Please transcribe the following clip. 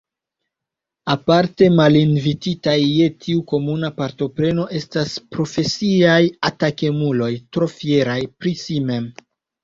Aparte malinvititaj je tiu komuna partopreno estas profesiaj atakemuloj trofieraj pri si mem.